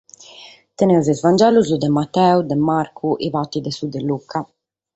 Tenimus sos vangelos de Mateu, de Marcu e parte de su de Luca.